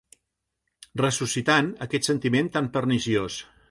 Ressuscitant aquest sentiment tan perniciós